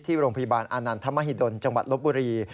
โรงพยาบาลอานันทมหิดลจังหวัดลบบุรี